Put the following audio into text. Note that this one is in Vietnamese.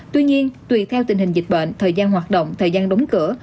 tuy nhiên tùy theo tình hình dịch bệnh thời gian hoạt động thời gian đóng cửa